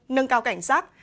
nâng cao cảnh sát